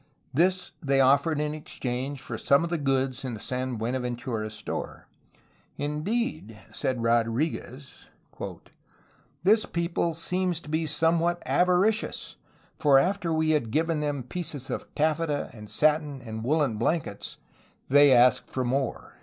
This they offered in exchange for some of the goods in the San Buenaventura^ s store. Indeed, said Rodrfguez, " this people seems to be somewhat avaricious, for after we had given them pieces of taffeta and satin and woolen blankets they asked for more.'